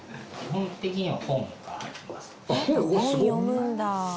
「本読むんだ」